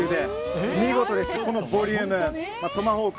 見事です、このボリュームトマホーク。